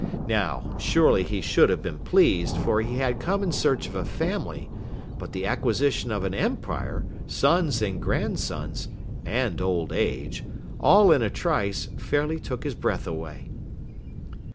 Now, surely he should have been pleased, for he had come in search of a family, but the acquisition of an empire, sons and grandsons, and old age, all in a trice, fairly took his breath away.